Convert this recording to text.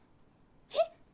えっ？